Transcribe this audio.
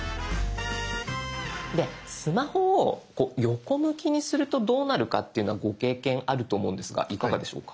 スマホをこう横向きにするとどうなるかっていうのはご経験あると思うんですがいかがでしょうか？